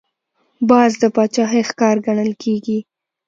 باز د باچاهۍ ښکار ګڼل کېږي